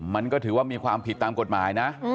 มันก็ถือว่ามีความผิดตามกฎหมายนะ